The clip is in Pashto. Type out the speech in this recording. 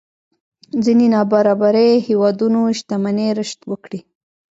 ځينې نابرابرۍ هېوادونو شتمنۍ رشد وکړي.